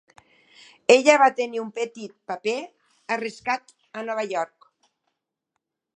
Ella va tenir un petit paper a "Rescat a Nova York".